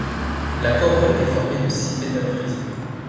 La corolle est formée de six pétales frisés.